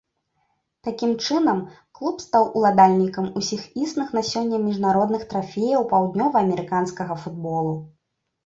Такім чынам, клуб стаў уладальнікам усіх існых на сёння міжнародных трафеяў паўднёваамерыканскага футболу.